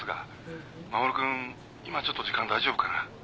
今ちょっと時間大丈夫かな。